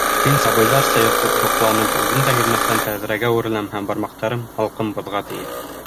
Мин, сабыйҙарса һоҡланып, үҙем дә һиҙмәҫтән, тәҙрәгә үреләм һәм бармаҡтарым... һалҡын боҙға тейә.